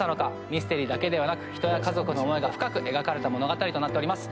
ミステリーだけではなく人や家族の思いが深く描かれた物語となっております